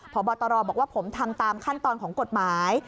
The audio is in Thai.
พบตรบอกว่าผมทำตามขั้นตอนของกฎหมาย